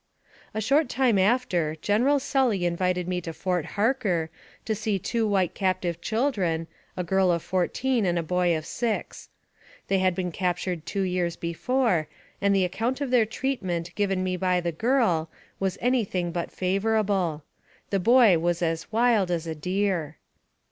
A short time after, General Sully invited me to Fort Harker, to see two white captive children, a girl of fourteen and a boy of six. They had been captured two years before, and the account of their treatment given me by the girl, was any thing but favorable. The boy was as wild as a deer.